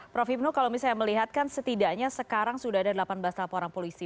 prof ibnu kalau misalnya melihatkan setidaknya sekarang sudah ada delapan belas laporan polisi